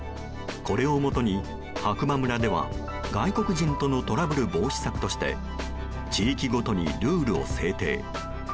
これをもとに白馬村では外国人とのトラブル防止策として地域ごとにルールを制定。